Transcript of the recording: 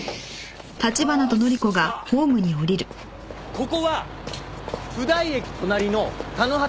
ここは普代駅隣の田野畑駅。